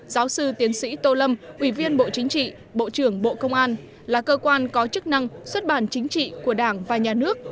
giáo sư tiến sĩ tô lâm ủy viên bộ chính trị bộ trưởng bộ công an là cơ quan có chức năng xuất bản chính trị của đảng và nhà nước